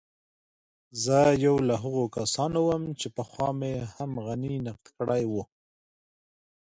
زه يو له هغو کسانو وم چې پخوا مې هم غني نقد کړی و.